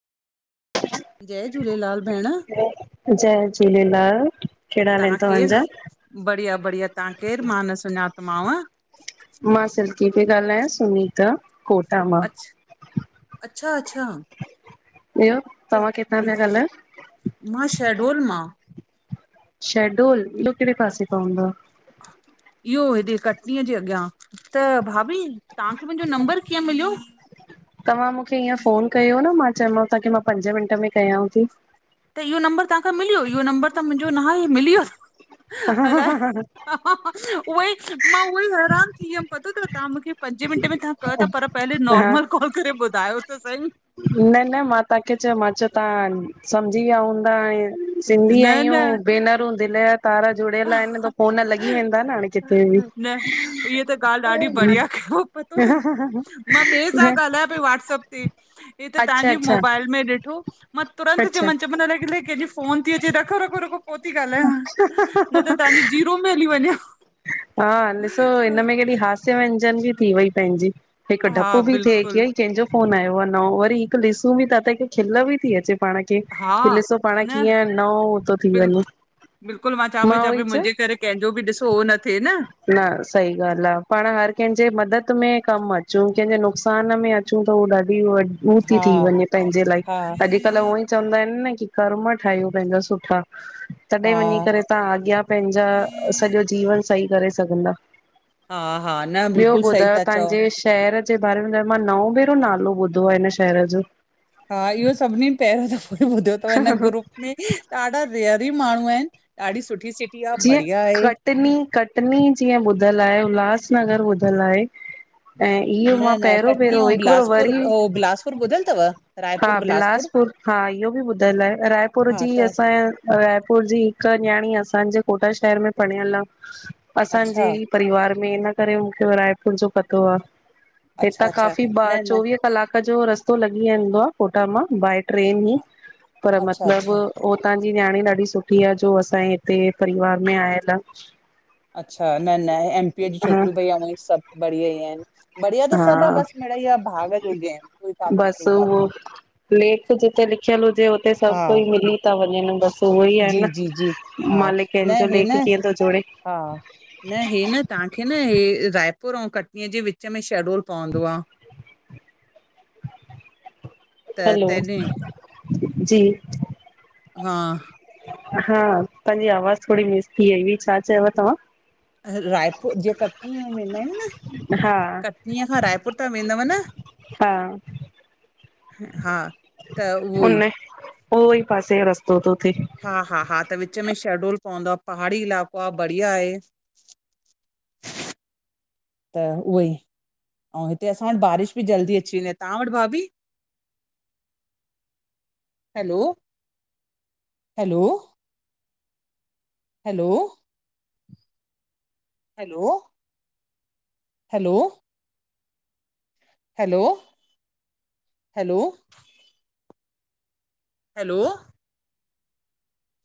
जय झूलेलाल भेण। जय झूलेलाल। कहिड़ा हाल आहिन तव्हां केरु? तव्हांजा? बढ़िया बढ़िया, तव्हां केरु? मां न सुञातमव? मां सिल्की पेई ॻाल्हायां सुुनीता कोटा मां। अचछा अच्छा! ॿियो त तव्हां किथां ॿियो पिया ॻाल्हायो? मां शहडोल मां। शहडोल, इहो कहिड़े पासे पवंदो आ? इहो हेॾे कटनीअ जे अॻियां। त भाभी तव्हांखे मुंहिंजो नंबर कीअं मिलियो? तव्हां मूंखे ईअं फ़ोन कयो न मां चयोमांव तांखे मां पंजे मिंटे में कयांव थी। त इयो नंबर तव्हांखे मिलियो, इयो नंबर त मुंहिंजो न आहे, मिली वियो। अलाए उहोई मां उहो ई हैरान थी वियमि पतो तव तव्हां मूंखे पंजे मिंट में तव्हां कयो था पर पहले हा, नॉर्मल कॉल करे ॿुधायो त सईं। न न मां तव्हांखे चयो, मां चयो तव्हां सम्झी विया हूंदा आऐं सिंधी न न आहियूं भेनरूं दिलि जा तारा जुड़ियल आहिनि त फोन लॻी वेंदा न हाणे। किथे बि। न इहा त ॻाल्हि ॾाढी बढ़िया कयव, पतो त मां ॿिए सां ॻाल्हायां पई वाट्सअप ही ती अच्छा त्वहान्जी अच्छा मोबाइल में डिठो माँ तुरंत अच्छा चयोमान, चयोमान अलाए अलाहे केंजी फोन थी अचे रखो रखो रखो पोइ थी ॻाल्हायां, न त तव्हांजी जीरो में हली वञे आ। हा ॾिसो हिनमें केॾी हास्य व्यंजन बि थी वई पंहिंजी। हिकु हा डपु बि थिए कि बिल्कुल कंहिंजो फोन आयो आहे नओं, वरी हिकु ॾिसूं बि था त खिल बि थी अचे पाण खे हा कि ॾिसो पाण न कीअं नओं थो थी वञे। बिल्कुल बिल्कुल मां चवां पई चां उहोई पई चयो मुंहिंजे करे कंहिंजो बि ॾिसो उहो न थिए न न सही ॻाल्हि आ, पाण हर कंहिंजे मदद में कमु अचूं कंहिंजे नुक़सान में अचूं चूं त उ ॾाढी उ हा थी वञे पंहिंजे लाइ हा अॼुकल्ह उअई चवंदा आहिनि न कि कर्म ठाहियूं पंहिंजा सुठा तॾहिं वञी हा करे तव्हां अॻियां पंहिंजा सॼो जीवन सही करे सघंदा। हा हा न ॿियो बिल्कुलु सही ॿुधायो था चओ तव्हांजे शहर जे बारे में त मां नओं भेरो नालो ॿुधो आहे हिन शहर जो। हा इहो सभिनी पहिरियों दफो इ ॿुधो थव हिन ग्रुप में, ॾाढा रेयर ई माण्हू आहिनि ॾाढी सुठी सिटी आहे, बढ़िया आहे। टनी कटनी जीअं ॿुधलु आहे, उल्हासनगर ॿुधलु आहे। ऐं इहो न मां न पहिरों कटनी ऐं पहिरों हिकु बेरो बिलासपुर वरी, हो बिलासपुर ॿुधल अथव हा रायपुर बिलासपुर? बिलासपु पुर, हा इहो बि ॿुधयल आहे, रायपुर हा जी त असांजे रायपुर जी हिकु न्याणी असांजे कोटा शहर में पढ़ियल आ, अच्छा असांजी परिवार में हिन करे, मूंखे रायपुर जो पतो आहे। अच्छा हितां अच्छा काफ़ी ॿ न न चोवीह कलाक रो रस्तो लॻी वदो आहे। कोटा मां बाए ट्रेन ई, पर अच्छा मतलब अच्छा उतां जी न्याणी ॾाढी सुठी आहे। जो असांजे हिते परिवार में आयल आहे। अच्छा! न-न, एमपी जी छोकिरियूं भई ऐंऊं ई सभ बढ़िया ई आहिन। बढ़िया त सभ आहे। हा बस मिढ़ई भाग जो गेम, कोई काथा बस कोई उहो काथा लेख जिते लिखियल हुजे, उते सभ हा कोई मिली था वञन। बस उहो ई जी आहे जी जी न। मालिक कंहिंजो लेख कीअं थो जोड़े हां, न हे न तव्हांखे न, हे रायपुर ऐंऊ कटनीअ जे विच विच में शेडूल पवंदो आ। त हलो, तॾहिं जी। हां। हां, तांजी आवाज़ थोरी मिस थी वई हुई, छा चयव तव्हां? रायपुर, जीअं कटनीअ में वेंदा आहियूं न? हा कटनीअ खां रायपुर त वेंदव न? हां। हां, त उहो ई। उन उहो ई पासेयो रस्तो थो थे। हां, हां-हां, त विच में शेडूल पवंदो, पहाड़ी इलाक़ो आ बढ़िया आहे। त उहो ई, अऊं हिते असां वटि बारिश बि जल्दी अची वेंदी आ, तां वटि भाभी? [inaudible] Hello! Hello! Hello! Hello! Hello! Hello! Hello! Hello!